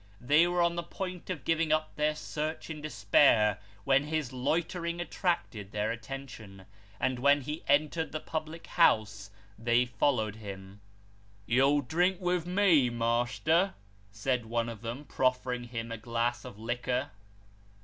They were on the point of giving up their search in despair, when his loitering attracted their attention ; and when he entered the public house, they followed him. " You'll drink with me, master," said one of them, proffering him a glass of liquor.